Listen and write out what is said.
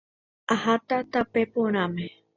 Aháta tape porãre.